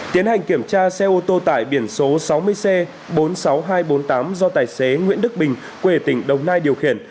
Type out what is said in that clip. tiến hành kiểm tra xe ô tô tải biển số sáu mươi c bốn mươi sáu nghìn hai trăm bốn mươi tám do tài xế nguyễn đức bình quê tỉnh đồng nai điều khiển